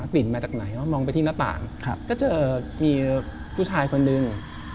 กลิ่นมาจากไหนมองไปที่หน้าต่างก็เจอมีผู้ชายคนหนึ่ง